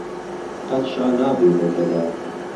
قەت شا نابێ بە گهدا